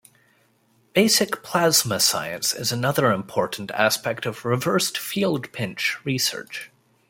Basic plasma science is another important aspect of Reversed Field Pinch research.